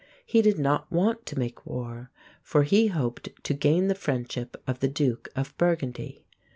He did not want to make war; for he hoped to gain the friendship of the Duke of Burgundy.